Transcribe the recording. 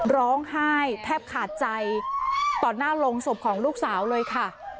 ร้องไห้แทบขาดใจต่อหน้าโรงศพของลูกสาวเลยค่ะ